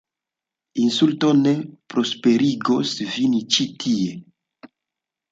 Insultoj ne prosperigos vin ĉi tie!